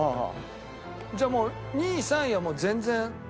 じゃあもう２位３位はもう全然。